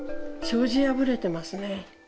障子破れてますね。